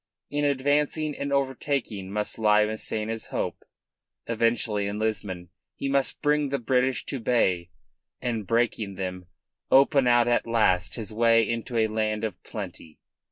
In advancing and overtaking must lie Massena's hope. Eventually in Lisbon he must bring the British to bay, and, breaking them, open out at last his way into a land of plenty.